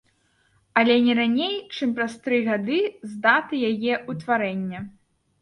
Але не раней чым праз тры гады з даты яе ўтварэння.